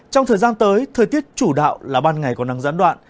trong thời gian tới thời tiết chủ đạo là ban ngày có nắng gián đoạn